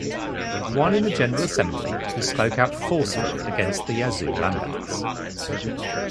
While in the General Assembly, he spoke out forcefully against the Yazoo Land Acts.